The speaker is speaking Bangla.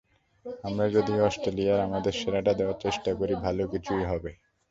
আমরা যদি অস্ট্রেলিয়ায় আমাদের সেরাটা দেওয়ার চেষ্টা করি, ভালো কিছুই হবে।